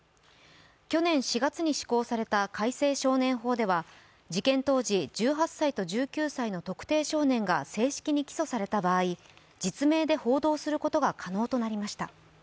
去年４月に施行された改正少年法では事件当時、１８歳と１９歳の特定少年が正式に起訴された場合、実名で報道することが可能となりました。